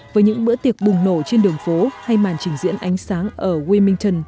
với những bữa tiệc bùng nổ trên đường phố hay màn trình diễn ánh sáng ở wilmington